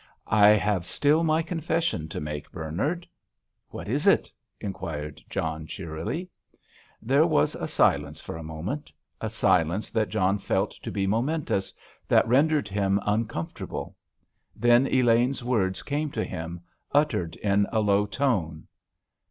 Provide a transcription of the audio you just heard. "I have still my confession to make, Bernard." "What is it?" inquired John cheerily. There was a silence for a moment—a silence that John felt to be momentous, that rendered him uncomfortable. Then Elaine's words came to him, uttered in a low tone.